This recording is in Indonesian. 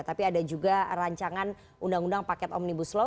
tapi ada juga rancangan undang undang paket omnibus law